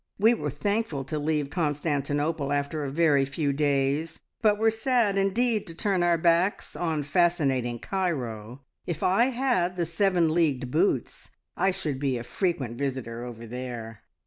We were thankful to leave Constantinople after a very few days, but were sad indeed to turn our backs on fascinating Cairo. If I had the seven leagued boots, I should be a frequent visitor over there."